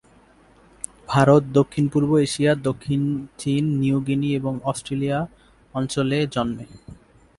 ভারত, দক্ষিণ-পুর্ব এশিয়া, দক্ষিণ চীন, নিউ গিনি এবং অস্ট্রেলিয়া অঞ্চলে জন্মে।